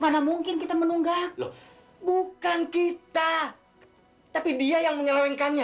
mana mungkin kita menunggak bukan kita tapi dia yang menyelewengkannya